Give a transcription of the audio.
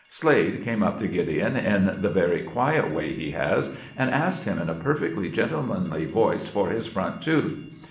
Slade came up to Gideon in the very quiet way he has, and asked him in a perfectly gentlemanly voice for his front tooth.